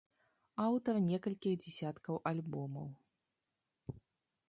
Аўтар некалькіх дзясяткаў альбомаў.